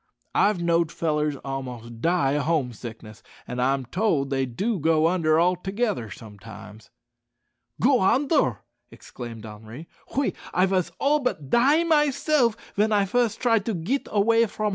I've knowed fellers a'most die o' home sickness, an' I'm told they do go under altogether sometimes." "Go onder!" exclaimed Henri; "oui, I vas all but die myself ven I fust try to git away from hom'.